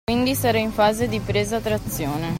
Quindi sarà in fase di presa-trazione.